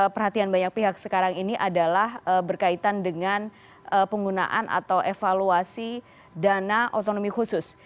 perhatian banyak pihak sekarang ini adalah berkaitan dengan penggunaan atau evaluasi dana otonomi khusus